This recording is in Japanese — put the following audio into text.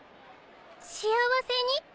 幸せに？